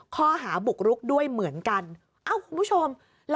ข้อหาบุกรุกด้วยเหมือนกันเอ้าคุณผู้ชม